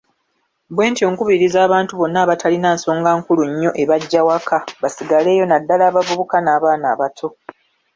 Bwentyo nkubiriza abantu bonna abatalina nsonga nkulu nnyo ebaggya waka, basigaleyo, naddala abavubuka n'abaana abato.